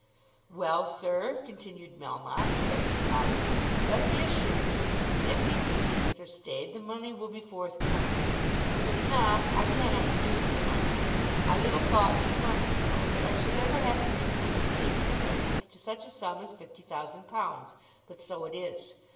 "Well, sir," continued Melmotte addressing Dolly, "let me assure you that if these proceedings are stayed the money will be forthcoming; but if not, I cannot produce the money. I little thought two months ago that I should ever have to make such a statement in reference to such a sum as fifty thousand pounds. But so it is.